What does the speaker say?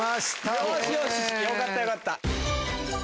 よかったよかった。